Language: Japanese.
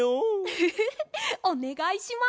フフフフおねがいします。